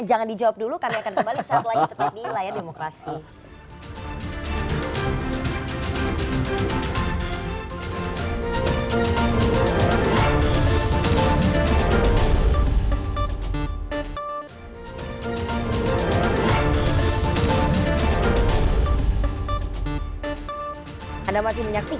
jangan dijawab dulu kami akan kembali setelah itu